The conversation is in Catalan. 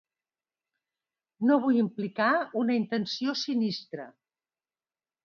No vull implicar una intenció sinistra.